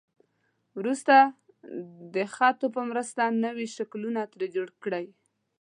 وروسته د خطو په مرسته نوي شکلونه ترې جوړ کړئ.